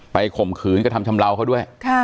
ไปข่มขืนก็ทำชำเลาเขาด้วย